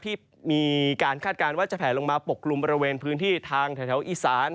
ที่มีการคาดการณ์ว่าจะแผลลงมาปกกลุ่มบริเวณพื้นที่ทางแถวอีสาน